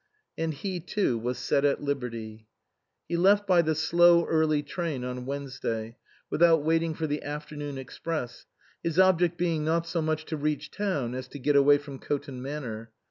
And he, too, was set at liberty. He left by the slow early train on Wednesday without waiting for the afternoon express, his object being not so much to reach town as to get away from Coton Manor.